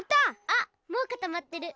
あもうかたまってる。